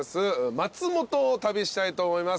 松本を旅したいと思います。